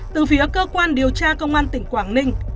từ phía cơ quan điều tra công an tỉnh quảng ninh